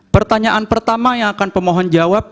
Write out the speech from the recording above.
pertanyaan pertama yang akan pemohon jawab